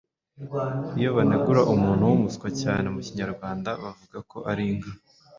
Iyo banegura umuntu w’umuswa cyane mu Kinyarwanda bavuga ko ari inka.